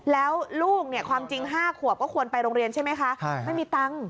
แล้วลูกความจริง๕ขวบก็ควรไปโรงเรียนใช่ไหมคะ